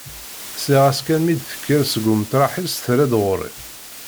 Sliɣ-as kan mi d-tekker seg umṭreḥ-is terra-d ɣur-i.